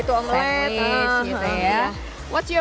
untuk apa ada mata saluran